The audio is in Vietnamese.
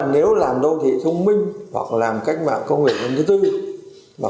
nếu làm đô thị thông minh hoặc làm cách mạng công nghệ bốn